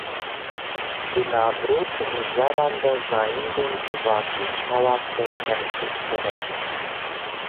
Di naverok û mijaran de zayendên civakî çawa tên temsîlkirin?